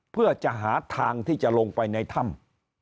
เพื่อจะหาทางที่จะลงไปในถ้ำ